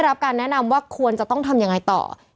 จากที่ตอนแรกอยู่ที่๑๐กว่าขึ้นมาเป็น๒๐ตอนนี้๓๐กว่าศพแล้ว